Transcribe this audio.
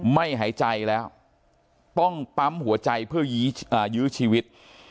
ไม่หายใจแล้วต้องปั๊มหัวใจเพื่อยื้อชีวิต